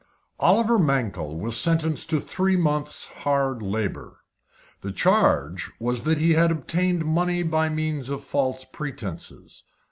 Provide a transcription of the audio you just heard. Oliver Mankell was sentenced to three months' hard labour. The charge was that he had obtained money by means of false pretences.